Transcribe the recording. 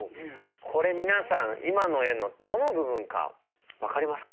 これ皆さん今の絵のどの部分か分かりますか？